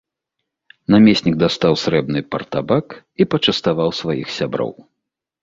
Намеснік дастаў срэбны партабак і пачаставаў сваіх сяброў.